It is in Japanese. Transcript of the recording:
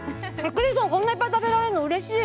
クレソン、こんなにいっぱい食べられるのうれしい！